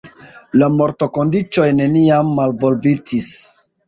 La mortokondiĉoj neniam malvolvitis.